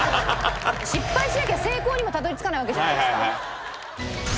失敗しなきゃ成功にもたどり着かないわけじゃないですか。